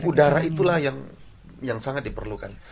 udara itulah yang sangat diperlukan